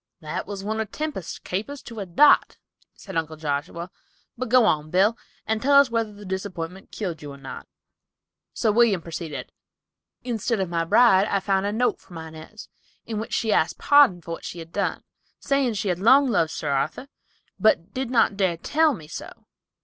"That was one of Tempest's capers to a dot," said Uncle Joshua, "but go on, Bill, and tell us whether the disappointment killed you or not." So William proceeded: "Instead of my bride, I found a note from Inez, in which she asked pardon for what she had done, saying she had long loved Sir Arthur, but did not dare tell me so.